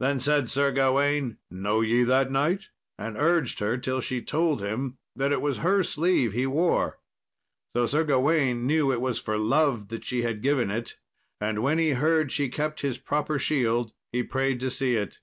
Then said Sir Gawain, "Know ye that knight?" and urged her till she told him that it was her sleeve he wore. So Sir Gawain knew it was for love that she had given it; and when he heard she kept his proper shield he prayed to see it.